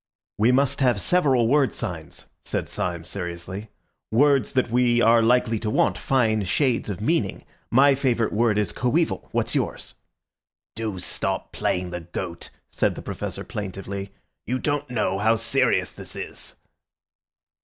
"We must have several word signs," said Syme seriously—"words that we are likely to want, fine shades of meaning. My favourite word is 'coeval'. What's yours?" "Do stop playing the goat," said the Professor plaintively. "You don't know how serious this is."